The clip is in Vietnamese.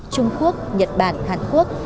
trung quốc nhật bản hàn quốc